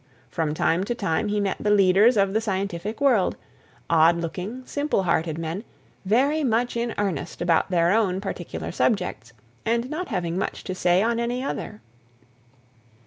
From time to time he met the leaders of the scientific world; odd looking, simple hearted men, very much in earnest about their own particular subjects, and not having much to say on any other.